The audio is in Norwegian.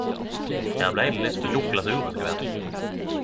Her blei det litt for tjukk glasur etter kvart.